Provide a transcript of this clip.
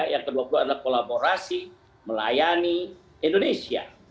yang ke dua puluh adalah kolaborasi melayani indonesia